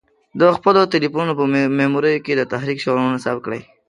د خپلو تلیفونو په میموریو کې د تحریک شعرونه ثبت کړي.